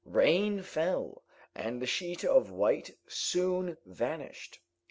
Rain fell, and the sheet of white soon vanished.